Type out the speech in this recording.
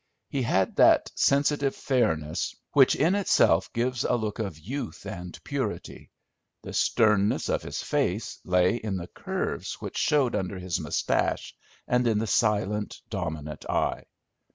He had that sensitive fairness which in itself gives a look of youth and purity; the sternness of his face lay in the curves which showed under his mustache, and in the silent, dominant eye.